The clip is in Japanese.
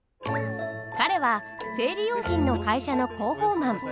彼は生理用品の会社の広報マン。